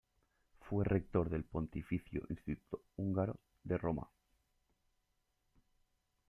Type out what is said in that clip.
Fue rector del Pontificio Instituto Húngaro de Roma.